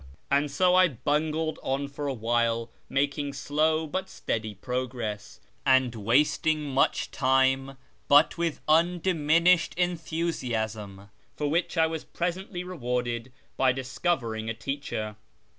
And so I bungled on for a while, making slow but steady progress, and wasting much time, but with undiminished enthusiasm ; for which I was presently rewarded by discovering a teacher.